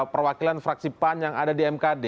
perwakilan fraksi pan yang ada di mkd